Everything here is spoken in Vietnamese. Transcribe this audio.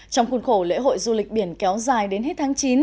trong khuôn khổ lễ hội du lịch biển kéo dài đến hết tháng chín